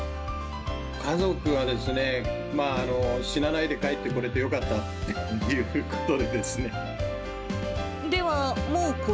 家族はですね、まあ、死なないで帰ってこれてよかったっていうことでですね。